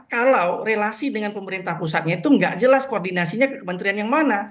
kalau relasi dengan pemerintah pusatnya itu nggak jelas koordinasinya ke kementerian yang mana